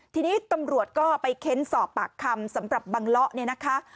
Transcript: ทีนี้ตำรวจก็ไปเค้นสอบปากคำสำหรับบังเลาะเนี่ยนะคะ